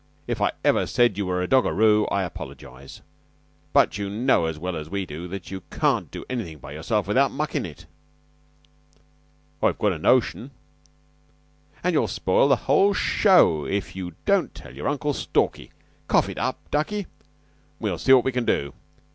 If I ever said you were a doggaroo, I apologize; but you know as well as we do that you can't do anything by yourself without mucking it." "I've got a notion." "And you'll spoil the whole show if you don't tell your Uncle Stalky. Cough it up, ducky, and we'll see what we can do.